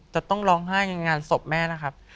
จะต้องร้องไห้ในงานศพแม่นะครับ